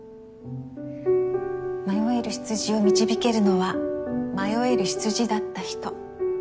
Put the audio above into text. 迷える羊を導けるのは迷える羊だった人。